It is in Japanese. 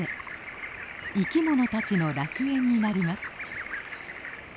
生き物たちの楽園になります。